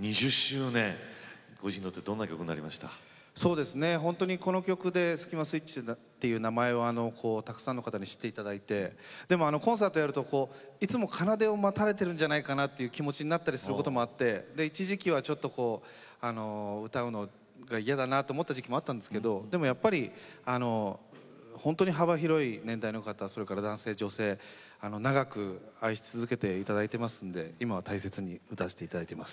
２０周年、ご自身とって本当にこの曲でスキマスイッチという名前をたくさんの方に知っていただいてコンサートをやるといつも「奏」を待たれているんじゃないかなという気持ちもあったりして一時期は歌うのが嫌だなと思う時期もあったんですけれどもやっぱり幅広い年代の方それから男性、女性長く愛し続けていただいていますので今は大切に歌い続けています。